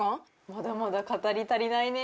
まだまだ語り足りないね。